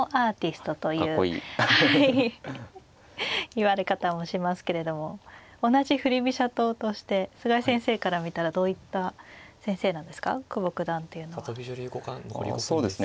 いわれ方もしますけれども同じ振り飛車党として菅井先生から見たらどういった先生なんですか久保九段というのは。ああそうですね